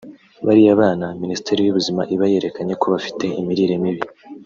bariya bana Minisiteri y’Ubuzima iba yerekanye ko bafite imirire mibi